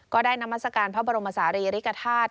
ก็ได้น้ำมัสการพระบรมศาลีริกฐาตร